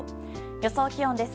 予想気温です。